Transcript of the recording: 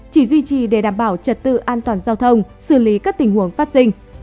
chỉ duy trì để đảm bảo trật tự an toàn giao thông xử lý các tình huống phát sinh